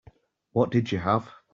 What did you have?